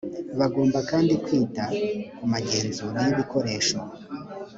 bagomba kandi kwita ku magenzura y ‘ibikoresho.